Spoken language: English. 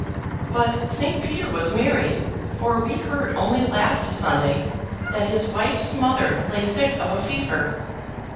"But Saint Peter was married, for we heard only last Sunday that his wife's mother lay sick of a fever."